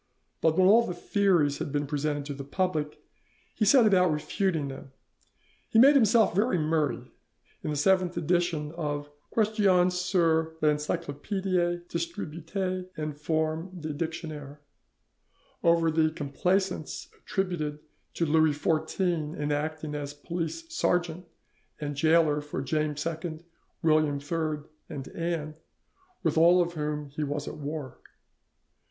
But when all the theories had been presented to the public, he set about refuting them. He made himself very merry, in the seventh edition of 'Questions sur l'Encyclopedie distibuees en forme de Dictionnaire (Geneva, 1791), over the complaisance attributed to Louis XIV in acting as police sergeant and gaoler for James II, William III, and Anne, with all of whom he was at war.